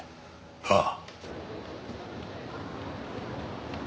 ああ。